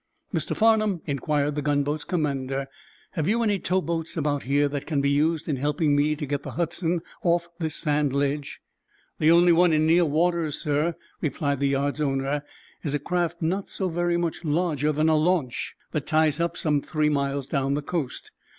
"Mr. Farnum," inquired the gunboat's commander, "have you any towboats about here that can be used in helping me to get the 'Hudson' off this sand ledge?" "The only one in near waters, sir," replied the yard's owner, "is a craft, not so very much larger than a launch, that ties up some three miles down the coast.